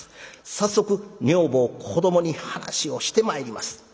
早速女房子どもに話をしてまいります」。